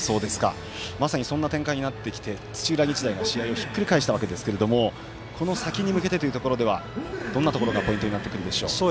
まさにそんな展開になってきて土浦日大が試合をひっくり返したわけですけどこの先に向けてというところではどんなところがポイントになってくるでしょう。